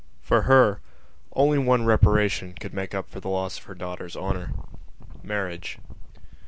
For her only one reparation could make up for the loss of her daughter's honour: marriage.